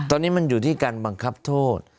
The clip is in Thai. ตอนนี้มันอยู่ที่การบังคับโทษ